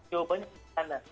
jawabannya di sana